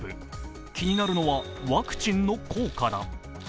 気になるのはワクチンの効果だ。